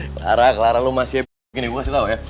clara clara lo masih ya gini gue kasih tau ya